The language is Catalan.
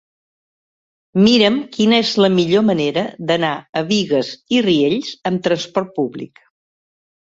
Mira'm quina és la millor manera d'anar a Bigues i Riells amb trasport públic.